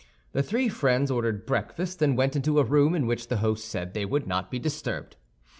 The three friends ordered breakfast, and went into a room in which the host said they would not be disturbed.